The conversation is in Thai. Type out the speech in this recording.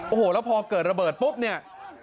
โอ้โหแล้วพอเกิดระเบิดปุ๊บเนี่ย